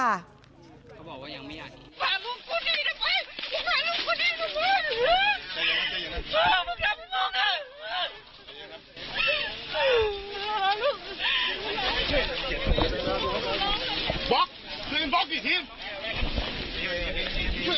พาลูกคู่นี้ไปพาลูกคู่นี้ไป